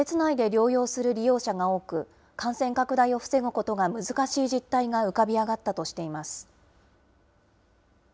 協議会は施設内で療養する利用者が多く、感染拡大を防ぐことが難しい実態が浮かび上がったとしています。